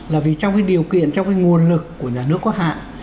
là vì trong cái điều kiện trong cái nguồn lực của nhà nước quốc hạng